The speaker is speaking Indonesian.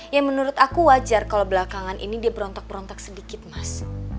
ya menurut aku wajar kalau belakangan ini dia berontak berontak sedikit mas